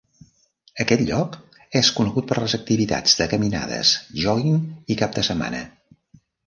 Aquest lloc és conegut per les activitats de caminades, jòguing i cap de setmana.